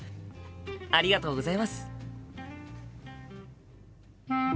ありがとうございます。